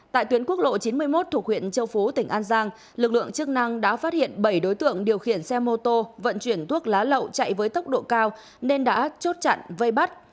tại tuyến quốc lộ chín mươi một thuộc huyện châu phú tỉnh an giang lực lượng chức năng đã phát hiện bảy đối tượng điều khiển xe mô tô vận chuyển thuốc lá lậu chạy với tốc độ cao nên đã chốt chặn vây bắt